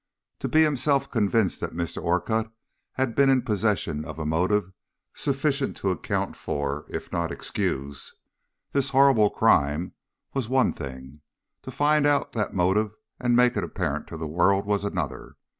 To be himself convinced that Mr. Orcutt had been in possession of a motive sufficient to account for, if not excuse, this horrible crime was one thing; to find out that motive and make it apparent to the world was another.